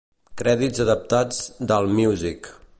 Crèdits adaptats d'Allmusic.